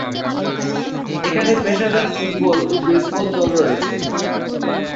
এখানে পেশাদার ফুটবল ও বেসবল দল রয়েছে।